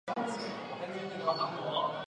她曾先后担任该组织的署理主席。